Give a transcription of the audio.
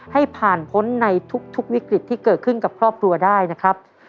ให้ผ่านพ้นในทุกวิกฤตที่เกิดขึ้นกับครอบครัวได้นะครับ